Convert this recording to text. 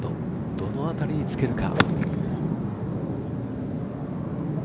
どの辺りにつけるか。